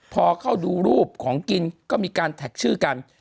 พอเข้าดูรูปของกินก็มีการแท็กชื่อกัน